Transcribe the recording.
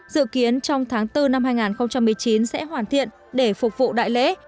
dự kiến trong tháng bốn năm hai nghìn một mươi chín sẽ hoàn thiện để phục vụ đại lễ